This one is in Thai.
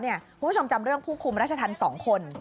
คุณผู้ชมจำเรื่องผู้คุมราชธรรม๒คน